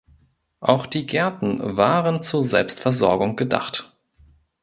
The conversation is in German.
Auch die Gärten waren zur Selbstversorgung gedacht.